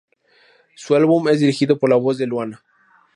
Su álbum es dirigido por la voz de Luana.